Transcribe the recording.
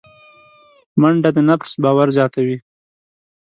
منډه د نفس باور زیاتوي